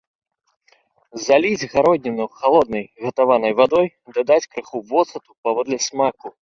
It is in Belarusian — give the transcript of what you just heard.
Заліць гародніну халоднай гатаванай вадой, дадаць крыху воцату паводле смаку.